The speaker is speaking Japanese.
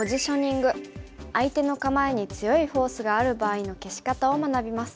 相手の構えに強いフォースがある場合の消し方を学びます。